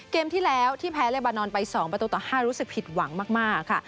เกมที่แล้วที่แพ้เลบานอนไป๒ประตูต่อ๕รู้สึกผิดหวังมากค่ะ